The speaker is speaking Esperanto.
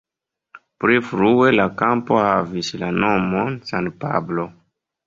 Pli frue la kampo havis la nomon "San Pablo".